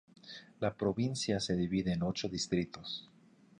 La provincia se divide en ocho distritos.